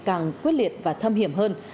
càng quyết liệt và thâm hiểm hơn